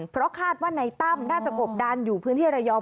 เพราะคาดว่าในตั้มน่าจะกบดันอยู่พื้นที่ระยอง